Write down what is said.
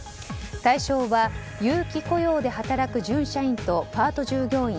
対象は、有期雇用で働く準社員とパート従業員